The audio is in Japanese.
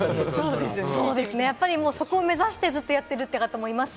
やっぱり、そこを目指して、ずっとやってるという方もいますし。